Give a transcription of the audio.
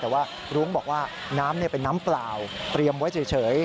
แต่ว่ารุ้งบอกว่าน้ำเป็นน้ำเปล่าเตรียมไว้เฉย